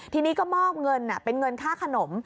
ทีนี้ก็มอบเงินเป็นเงินค่าขนม